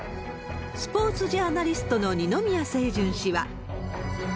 スポーツジャーナリストの二宮清純氏は。